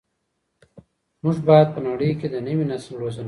موږ باید په نړۍ کي د نوي نسل روزنه وکړو.